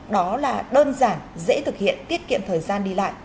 đó là đơn giản dễ thực hiện tiết kiệm thời gian đi lại